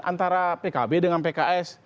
antara pkb dengan pks